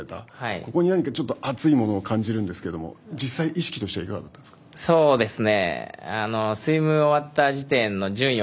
ここに熱いものを感じるんですが実際意識としてはいかがだったんですか。